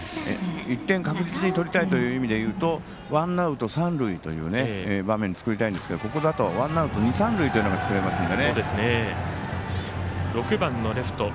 １点確実に取りたいという意味でいうとワンアウト、三塁という場面作りたいんですけどここだとワンアウト、二、三塁を作れますので。